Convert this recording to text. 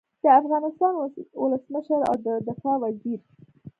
د افغانستان ولسمشر او د دفاع وزیر